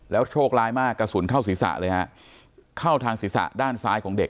โชคร้ายมากกระสุนเข้าศีรษะเลยฮะเข้าทางศีรษะด้านซ้ายของเด็ก